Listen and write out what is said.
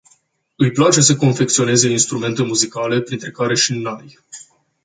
Îi place să confecționeze instrumente muzicale, printre care și nai.